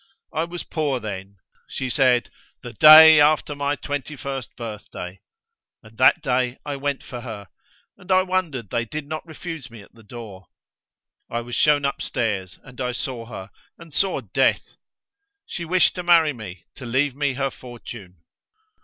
I was poor then. She said. 'The day after my twenty first birthday'; and that day I went for her, and I wondered they did not refuse me at the door. I was shown upstairs, and I saw her, and saw death. She wished to marry me, to leave me her fortune!"